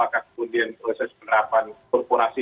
kemudian proses penerapan korporasi